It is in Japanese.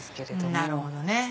なるほどね。